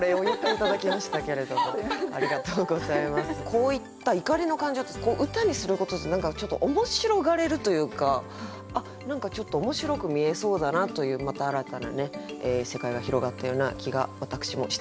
こういった怒りの感情ってこう歌にすることで何かちょっと面白がれるというか何かちょっと面白く見えそうだなというまた新たな世界が広がったような気が私もしております。